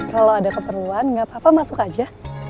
kalau ada keperluan nggak apa apa masuk aja